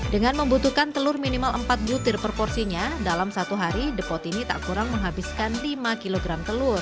dengan membutuhkan telur minimal empat butir per porsinya dalam satu hari depot ini tak kurang menghabiskan lima kg telur